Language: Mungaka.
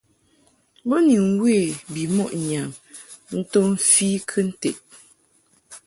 Bo ni mwe bimɔʼ ŋyam nto mfi kɨnted.